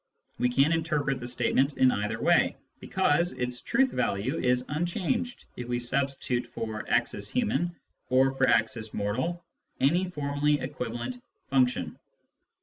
We can interpret the statement in either way, because its truth value is unchanged if we substitute for " x is human " or for " x is mortal " any formally equivalent function.